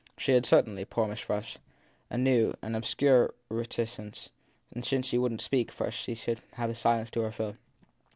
She had certainly, poor Miss Frush, a new, an obscure reticence, and since she wouldn t speak first she should have silence to her fill.